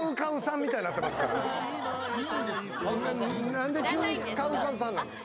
なんで急にＣＯＷＣＯＷさんなんですか。